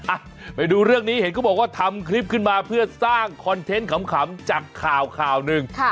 อ่ะไปดูเรื่องนี้เห็นเขาบอกว่าทำคลิปขึ้นมาเพื่อสร้างคอนเทนต์ขำจากข่าวข่าวหนึ่ง